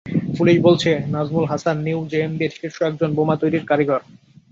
Police বলছে, Nazmul Hasan new জেএমবির শীর্ষ একজন বোমা তৈরির কারিগর।